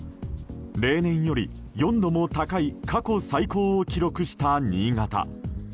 例年より４度も高い過去最高を記録した新潟。